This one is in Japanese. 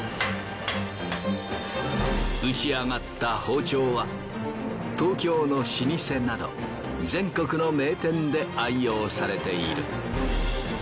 打ち上がった包丁は東京の老舗など全国の名店で愛用されている。